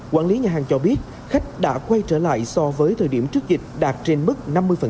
quản lý nhà hàng cho biết khách đã quay trở lại so với thời điểm trước dịch đạt trên mức năm mươi